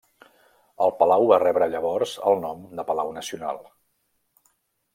El palau va rebre llavors el nom de Palau Nacional.